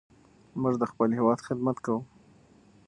موږ د خپل هېواد خدمت کوو.